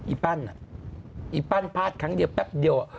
อปั้นอีปั้นพลาดครั้งเดียวแป๊บเดียว